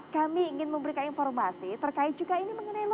kami ingin memberikan informasi terkait juga ini mengenai